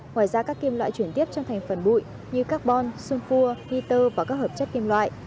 ngoài ra các kim loại chuyển tiếp trong thành phần bụi như carbon sulfur titer và các hợp chất kim loại